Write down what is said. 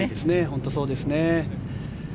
本当にそうですね。